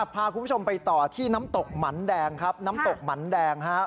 พาคุณผู้ชมไปต่อที่น้ำตกหมันแดงครับน้ำตกหมันแดง